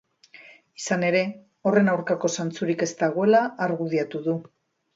Izan ere, horren aurkako zantzurik ez dagoela argudiatu du.